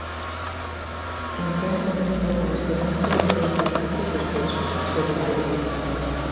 Entón podemos votar este punto e o resto dos puntos despois, se lle parece.